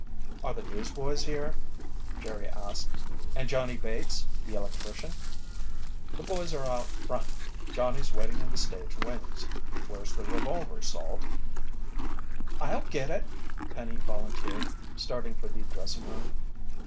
"Are the newsboys here?" Jerry asked. "And Johnny Bates, the electrician?" "The boys are out front. Johnny's waiting in the stage wings. Where's the revolver, Salt?" "I'll get it," Penny volunteered, starting for the dressing room.